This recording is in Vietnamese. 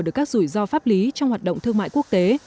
được các rủi ro pháp lý trong hoạt động thương mại quốc tế